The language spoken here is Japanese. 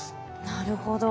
なるほど。